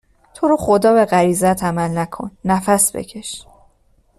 تورو خدا به غریزهات عمل نکن نفس بکش